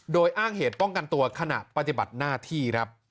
โดยอ้างเหตุป้องกันตัวขณะปฏิบัติหน้าที่ครับ